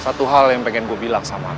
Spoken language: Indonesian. satu hal yang pengen gue bilang sama aku